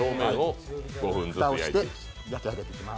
蓋をして焼き上げていきます。